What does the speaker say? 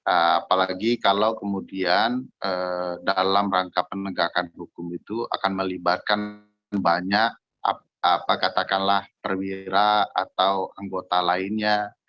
apalagi kalau kemudian dalam rangka penegakan hukum itu akan melibatkan banyak apa katakanlah perwira atau anggota lainnya